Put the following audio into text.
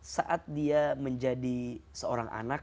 saat dia menjadi seorang anak